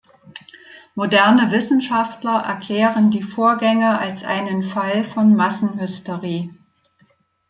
Moderne Wissenschaftler erklären die Vorgänge als einen Fall von Massenhysterie.